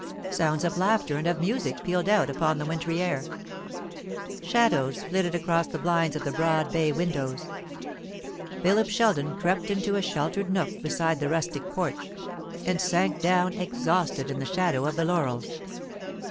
Sounds of laughter and of music pealed out upon the wintry air. Shadows flitted across the blinds of the broad bay windows. Philip Sheldon crept into a sheltered nook beside the rustic porch, and sank down exhausted in the shadow of the laurels.